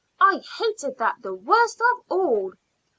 I hated that the worst of all."